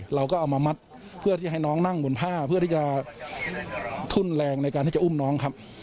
เราก็เอามามัดเพื่อที่ให้น้องนั่งบนผ้าเพื่อที่จะทุ่นแรงในการที่จะอุ้มน้องครับ